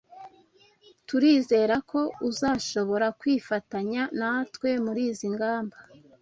Turizera ko uzashobora kwifatanya natwe muri izi ngamba.